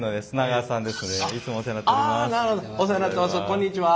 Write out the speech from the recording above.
こんにちは。